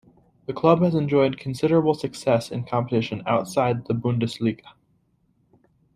The club has enjoyed considerable success in competition outside the Bundesliga.